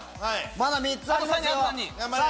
まだ３つありますよ。